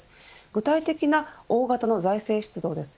具体的には大型の財政出動です。